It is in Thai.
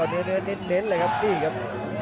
เนื้อเน้นเลยครับนี่ครับ